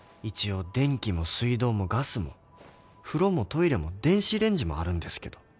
一応電気も水道もガスも風呂もトイレも電子レンジもあるんですけど